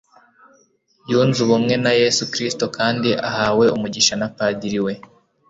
Yunze ubumwe na Yesu Kristo kandi ahawe umugisha na padiri we